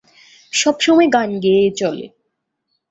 সব সময়ই গান গেয়ে চলে।